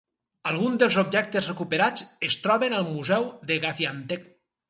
Alguns dels objectes recuperats es troben al museu de Gaziantep.